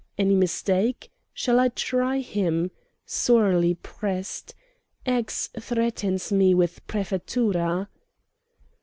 Any mistake? Shall I try him? Sorely pressed. X. threatens me with Prefettura.